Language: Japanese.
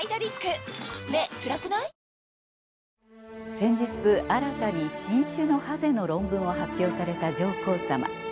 先日新たに新種のハゼの論文を発表された上皇さま。